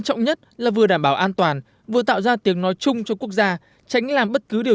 trọng nhất là vừa đảm bảo an toàn vừa tạo ra tiếng nói chung cho quốc gia tránh làm bất cứ điều